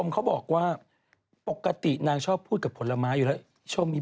เขาออกมาบอกแล้วไม่ใช่